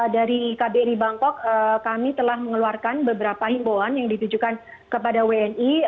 dari kbri bangkok kami telah mengeluarkan beberapa himbauan yang ditujukan kepada wni